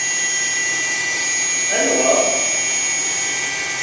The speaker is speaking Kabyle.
Anwa?